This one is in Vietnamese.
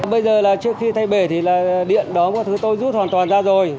bây giờ là trước khi thay bể thì là điện đóm các thứ tôi rút hoàn toàn ra rồi